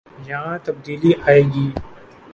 یہاں تبدیلی آئے گی۔